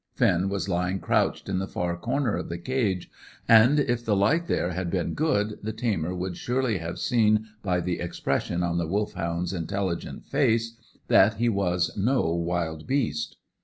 Finn was lying crouched in the far corner of the cage, and if the light there had been good, the tamer would surely have seen by the expression on the Wolfhound's intelligent face that he was no wild beast.